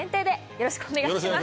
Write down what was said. よろしくお願いします。